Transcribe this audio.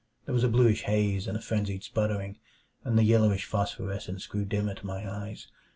There was a bluish haze and a frenzied sputtering, and the yellowish phosphorescence grew dimmer to my eyes.